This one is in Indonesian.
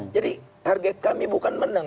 jadi target kami bukan menang